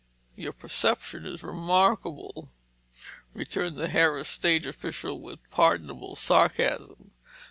"Your perception is remarkable," returned the harassed stage official with pardonable sarcasm.